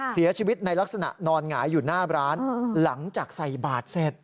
เสียชีวิตในลักษณะนอนหงายอยู่หน้าร้านหลังจากใส่บาทเสร็จ